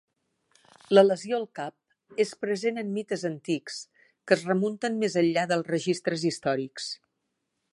La lesió al cap és present en mites antics que es remunten més enllà dels registres històrics.